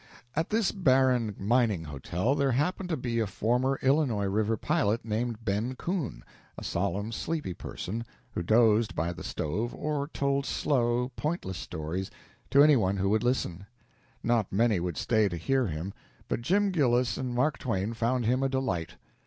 At this barren mining hotel there happened to be a former Illinois River pilot named Ben Coon, a solemn, sleepy person, who dozed by the stove or told slow, pointless stories to any one who would listen. Not many would stay to hear him, but Jim Gillis and Mark Twain found him a delight.